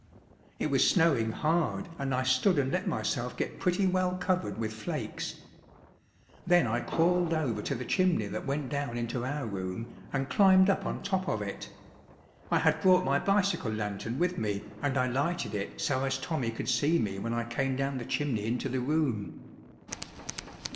It was snowing hard and I stood and let myself get pretty well covered with flakes. Then I crawled over to the chimney that went down into our room and climbed up on top of it. I had brought my bicycle lantern with me and I lighted it so as Tommy could see me when I came down the chimney into the room.